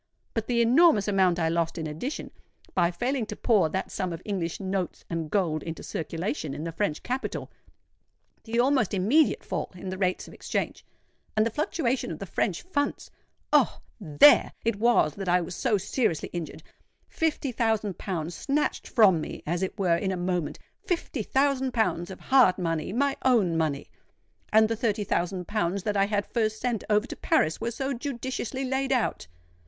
But the enormous amount I lost in addition, by failing to pour that sum of English notes and gold into circulation in the French capital,—the almost immediate fall in the rates of exchange, and the fluctuation of the French funds,—Oh! there it was that I was so seriously injured. Fifty thousand pounds snatched from me as it were in a moment,—fifty thousand pounds of hard money—my own money! And the thirty thousand pounds that I had first sent over to Paris were so judiciously laid out!